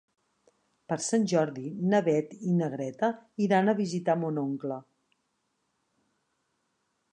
Per Sant Jordi na Beth i na Greta iran a visitar mon oncle.